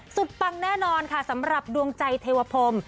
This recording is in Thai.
ปังแน่นอนค่ะสำหรับดวงใจเทวพรม